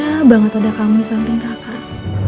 karena banget ada kamu disamping kakak